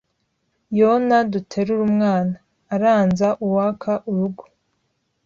“yono duterure umwana”! aranza uaka urugo